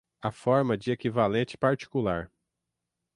A forma de equivalente particular